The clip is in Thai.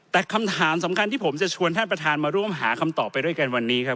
แต่คำถามสำคัญที่ผมจะชวนท่านประธานมาร่วมหาคำตอบไปด้วยกันวันนี้ครับ